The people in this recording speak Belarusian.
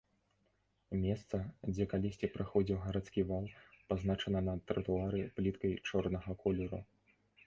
Месца, дзе калісьці праходзіў гарадскі вал, пазначана на тратуары пліткай чорнага колеру.